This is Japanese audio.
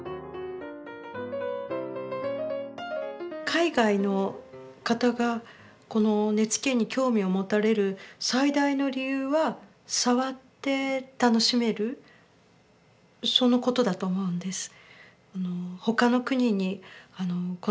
海外の方がこの根付に興味を持たれる最大の理由はそのことだと思うんです。